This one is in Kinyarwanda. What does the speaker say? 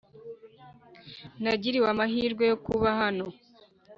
Nagiriwe amahirwe yokuba hano